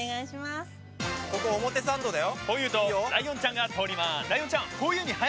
ここ、表参道だよ。